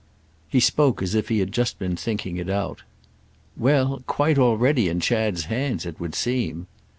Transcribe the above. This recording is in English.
He spoke as if he had just been thinking it out. "Well, quite already in Chad's hands, it would seem."